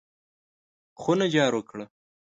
خونه جارو کړه!